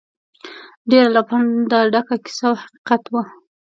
ډېره له پنده ډکه کیسه او حقیقت وه.